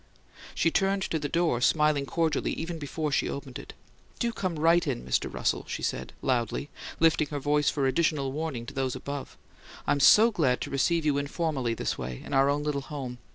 She turned to the door, smiling cordially, even before she opened it. "Do come right in, Mr. Russell," she said, loudly, lifting her voice for additional warning to those above. "I'm SO glad to receive you informally, this way, in our own little home.